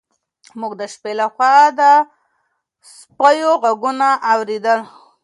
موږ د شپې لخوا د سپیو غږونه اورېدل.